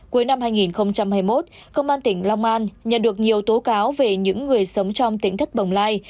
cuối năm hai nghìn hai mươi một công an tỉnh long an nhận được nhiều tố cáo về những người sống trong tính thất bồng lai